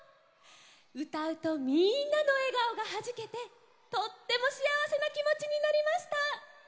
うたうとみんなのえがおがはじけてとってもしあわせなきもちになりました。